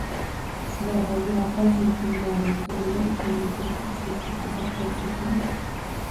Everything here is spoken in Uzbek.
Shulardagi vaqo so‘zining ma’nosi nima ekanligi ko‘pchilikka qiziq bo‘lsa kerak.